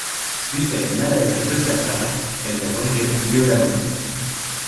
Suite à une maladresse de sa part, elle le rejette violemment.